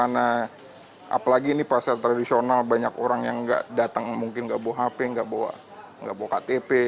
karena apalagi ini pasar tradisional banyak orang yang nggak datang mungkin nggak bawa hp nggak bawa ktp